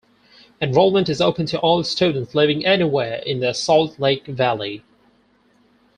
Enrollment is open to all students living anywhere in the Salt Lake Valley.